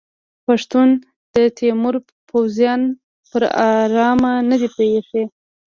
پښتنو د تیمور پوځیان پر ارامه نه دي پریښي.